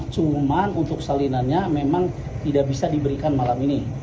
cuman untuk salinannya memang tidak bisa diberikan malam ini